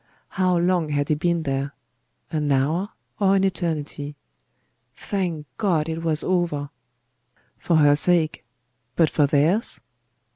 How long had he been there? An hour, or an eternity? Thank God it was over! For her sake but for theirs?